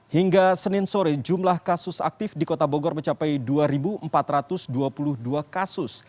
hingga senin sore jumlah kasus aktif di kota bogor mencapai dua empat ratus dua puluh dua kasus